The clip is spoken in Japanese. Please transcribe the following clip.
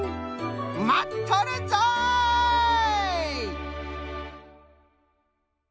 まっとるぞい！